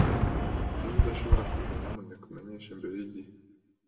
Niba udashobora kuza, nyamuneka umenyeshe mbere yigihe.